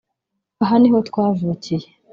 aha niho twavukiye